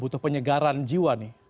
butuh penyegaran jiwa nih